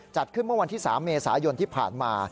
จัดขึ้นเมื่อวันที่๓เมษายนที่ผ่านมา